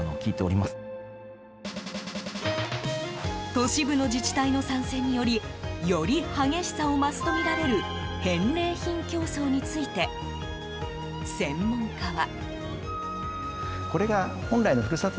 都市部の自治体の参戦によりより激しさを増すとみられる返礼品競争について専門家は。